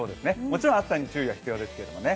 もちろん暑さに注意は必要ですけれどもね。